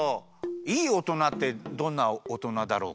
いいおとなってどんなおとなだろうか？